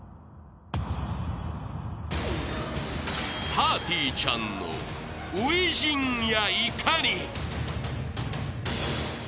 ［ぱーてぃーちゃんの初陣やいかに？］